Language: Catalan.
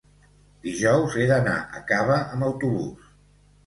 dijous he d'anar a Cava amb autobús.